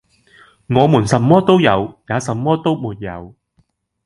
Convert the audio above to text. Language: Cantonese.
我們什麼都有，也什麼都沒有，